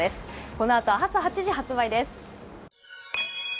このあと朝８時から発売です。